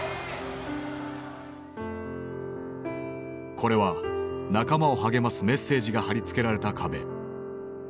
これは仲間を励ますメッセージが貼り付けられた壁。